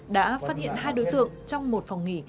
đã phát hiện hai đối tượng trong một phòng nghỉ